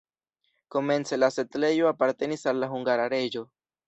Komence la setlejo apartenis al la hungara reĝo.